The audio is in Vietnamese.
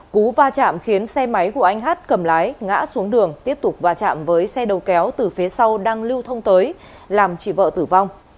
cú va chạm khiến xe máy của anh hát cầm lái ngã xuống đường tiếp tục va chạm với xe đầu kéo từ phía sau đang lưu thông tới làm chị vợ tử vong